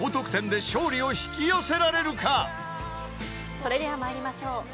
それでは参りましょう。